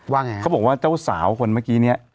ว่าไงเขาบอกว่าเจ้าสาวคนเมื่อกี้เนี่ย